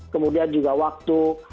kemudian juga waktu